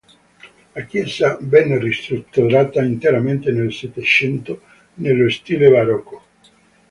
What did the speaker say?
La chiesa venne ristrutturata interamente nel Settecento nello stile barocco.